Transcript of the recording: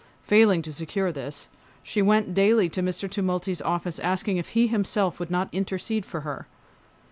Failing to secure this, she went daily to Mr. Tumulty's office asking if he himself would not intercede for her.